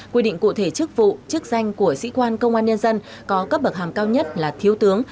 quy định cụ thể chức vụ chức danh của sĩ quan công an nhân dân có cấp bậc hàm cao nhất là thiếu tướng